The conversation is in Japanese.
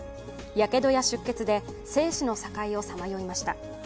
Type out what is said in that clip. やけどや出血で生死の境をさまよいました。